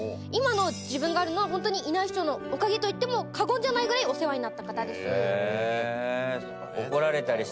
今の自分があるのはホントにイナイ士長のおかげといっても過言じゃないぐらいお世話になった方です。